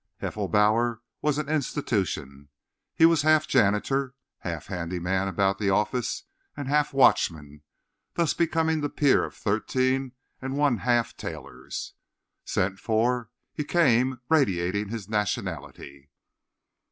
Heffelbauer was an institution. He was half janitor, half handy man about the office, and half watchman—thus becoming the peer of thirteen and one half tailors. Sent for, he came, radiating his nationality.